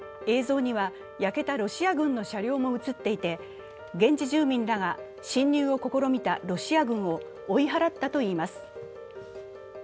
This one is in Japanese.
映像には焼けたロシア軍の車両も映っていて現地住民らが侵入を試みたロシア軍を追い払ったといいます。